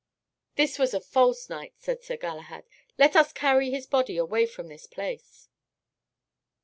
"This was a false knight," said Sir Galahad. "Let us carry his body away from this place."